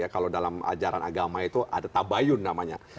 kalau dalam ajaran agama itu ada tabayun namanya